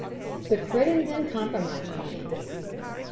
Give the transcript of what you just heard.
The Crittenden Compromise Plan.